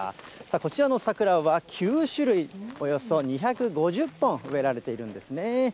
こちらの桜は９種類、およそ２５０本植えられているんです。